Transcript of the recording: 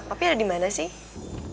tapi ada di mana sih